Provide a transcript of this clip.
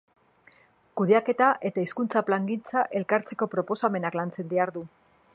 Kudeaketa eta hizkuntza plangintza elkartzeko proposamenak lantzen dihardu.